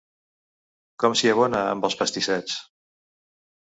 Com s'hi abona, amb els pastissets!